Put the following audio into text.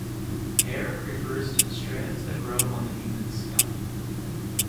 Hair refers to the strands that grow on the human scalp.